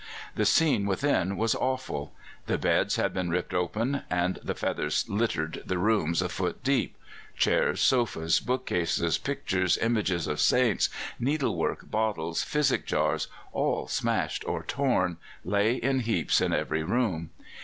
The scene within was awful. The beds had been ripped open, and the feathers littered the rooms a foot deep; chairs, sofas, bookcases, pictures, images of saints, needlework, bottles, physic jars, all smashed or torn, lay in heaps in every room.